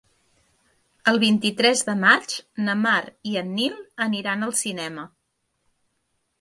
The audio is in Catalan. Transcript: El vint-i-tres de maig na Mar i en Nil aniran al cinema.